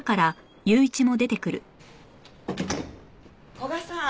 古雅さん。